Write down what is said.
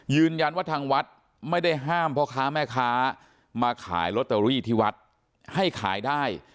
ยืนยันว่าทางวัดไม่ได้ห้ามพ่อค้าแม่ค้ามาขายลอตเตอรี่ที่วัดให้ขายได้